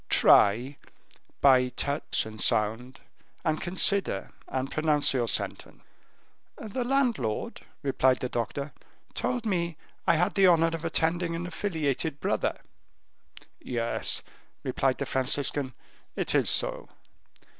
Try, by touch and sound, and consider and pronounce your sentence." "The landlord," replied the doctor, "told me I had the honor of attending an affiliated brother." "Yes," replied the Franciscan, "it is so.